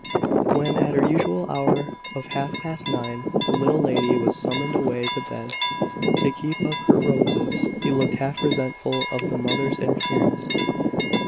When, at her usual hour of half past nine, the little lady was summoned away to bed, "to keep up her roses," he looked half resentful of the mother's interference.